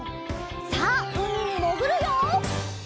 さあうみにもぐるよ！